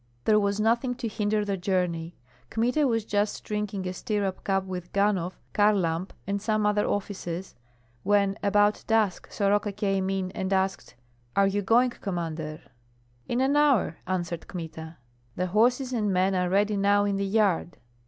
There was nothing to hinder the journey. Kmita was just drinking a stirrup cup with Ganhoff, Kharlamp, and some other officers when about dusk Soroka came in and asked, "Are you going, Commander?" "In an hour," answered Kmita. "The horses and men are ready now in the yard."